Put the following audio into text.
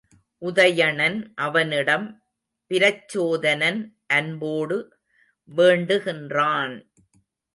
உதயணன் அவனிடம், பிரச்சோதனன் அன்போடு வேண்டுகின்றான்!